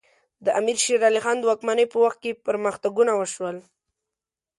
د امیر شیر علی خان د واکمنۍ په وخت کې پرمختګونه وشول.